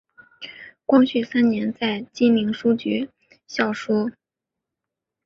光绪三年在金陵书局校书。